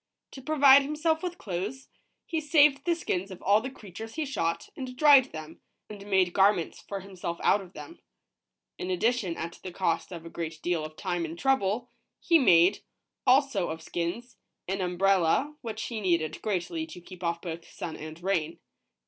To provide himself with clothes, he saved the skins of all the creatures ROBINSON CRUSOE. BUILDING A HABITATION. he shot, and dried them, and made garments for himself out of them. In addition, at the cost of a great deal of time and trouble, he made, also of skins, an umbrella, which he needed greatly to keep off both sun and rain.